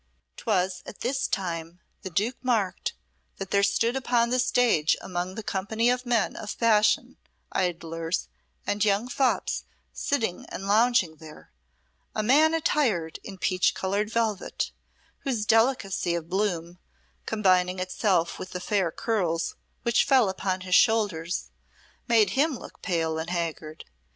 'Twas at this time the Duke marked that there stood upon the stage among the company of men of fashion, idlers, and young fops sitting and lounging there, a man attired in peach coloured velvet, whose delicacy of bloom, combining itself with the fair curls which fell upon his shoulders, made him look pale and haggard.